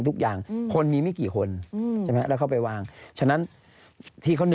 แล้วความเหนื่อยระเนี่ยมันจะมากกว่าเดินปกติตั้งเท่าไหร่ต่อเท่าไหร่